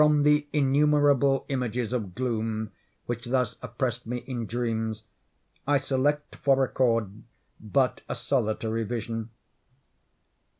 From the innumerable images of gloom which thus oppressed me in dreams, I select for record but a solitary vision.